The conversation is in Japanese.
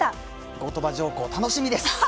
後鳥羽上皇、楽しみです。